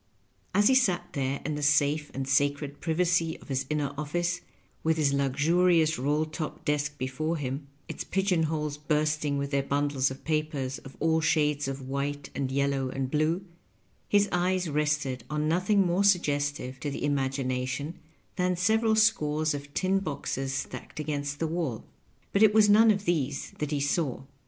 As he sat therein the safe and sacred privacy of his inner office, with his luxurious roU top desk before him, its pigeon holes bursting with their bundles of papers of all shades of white, and yellow, and blue, his eyes rested on nothing more suggestive to the imagination than several scores of tin boxes stacked against the waU ; but it was none of these that he saw.